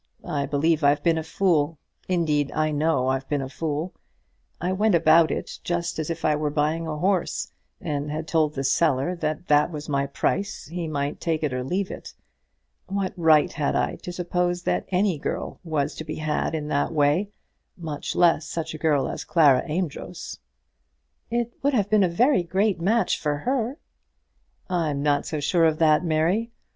I believe I've been a fool. Indeed, I know I've been a fool. I went about it just as if I were buying a horse, and had told the seller that that was my price, he might take it or leave it. What right had I to suppose that any girl was to be had in that way; much less such a girl as Clara Amedroz?" "It would have been a great match for her." "I'm not so sure of that, Mary.